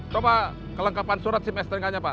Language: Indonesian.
coba kelengkapan surat sim stnk nya pak